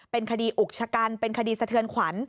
เป็นคดีอุกชะกันเป็นคดีสะเทือนขวัญ